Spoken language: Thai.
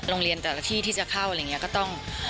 โรงเรียนแต่ละที่ที่จะเข้าอะไรอย่างนี้ก็ต้อง